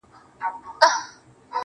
• ډيره مننه مهربان شاعره.